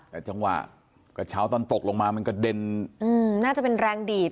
แต่จังหวะกระเช้าตอนตกลงมามันกระเด็นน่าจะเป็นแรงดีด